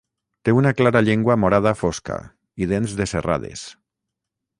Té una clara llengua morada fosca i dents de serrades.